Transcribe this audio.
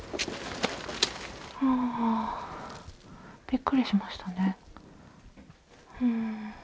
びっくりしましたね。